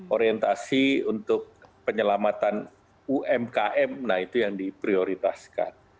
orientasi untuk penyelamatan umkm nah itu yang diprioritaskan